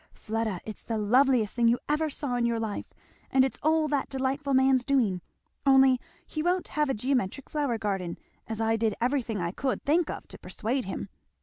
Fleda, it's the loveliest thing you ever saw in your life; and it's all that delightful man's doing; only he won't have a geometric flower garden, as I did everything I could think of to persuade him.